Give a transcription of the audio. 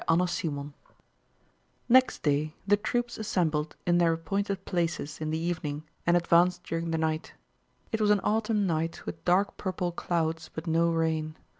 CHAPTER VI Next day the troops assembled in their appointed places in the evening and advanced during the night. It was an autumn night with dark purple clouds, but no rain.